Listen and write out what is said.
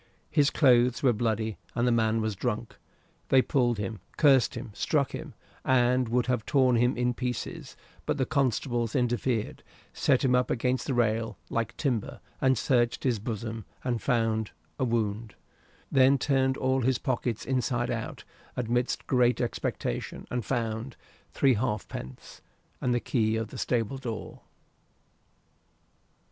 His clothes were bloody, and the man was drunk. They pulled him, cursed him, struck him, and would have torn him in pieces, but the constables interfered, set him up against the rail, like timber, and searched his bosom, and found a wound; then turned all his pockets inside out, amidst great expectation, and found three halfpence and the key of the stable door.